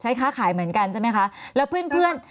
ค้าขายเหมือนกันใช่ไหมคะแล้วเพื่อนเพื่อน